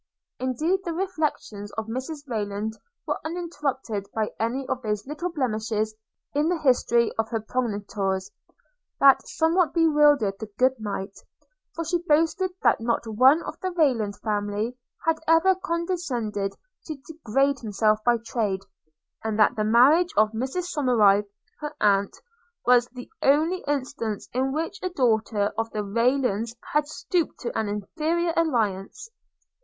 Indeed, the reflections of Mrs Rayland were uninterrupted by any of those little blemishes in the history of her progenitors, that somewhat bewildered the good knight; for she boasted that not one of the Rayland family had ever condescended to degrade himself by trade; and that the marriage of Mrs Somerive, her aunt, was the only instance in which a daughter of the Raylands had stooped to an inferior alliance.